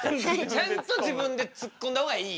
ちゃんと自分でツッコんだ方がいい。